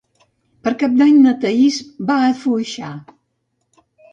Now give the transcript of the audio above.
Per Cap d'Any na Thaís va a Foixà.